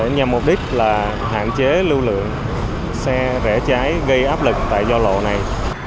nhằm mục đích là hạn chế lưu lượng xe vẽ trái gây áp lực tại giao lộ này